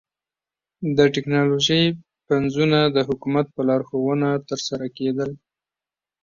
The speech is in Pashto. د ټکنالوژۍ پنځونه د حکومت په لارښوونه ترسره کېدل